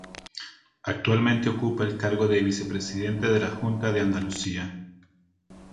Actualmente ocupa el cargo de vicepresidente de la Junta de Andalucía.